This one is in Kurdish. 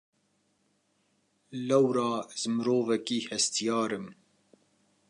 Lewra ez mirovekî hestiyar im.